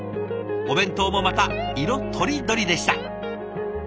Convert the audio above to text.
お弁当もまた色とりどりでした。